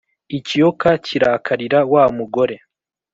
Ikiyoka kirakarira wa mugore,